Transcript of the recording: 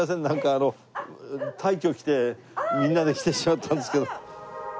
なんかあの大挙してみんなで来てしまったんですけど。